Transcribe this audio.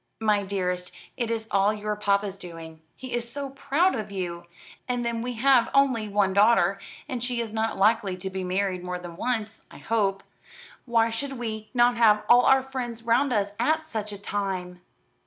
"My dearest, it is all your papa's doing. He is so proud of you. And then we have only one daughter; and she is not likely to be married more than once, I hope. Why should we not have all our friends round us at such a time?"